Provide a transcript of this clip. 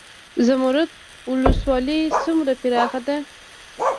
زرمت ولسوالۍ څومره پراخه ده؟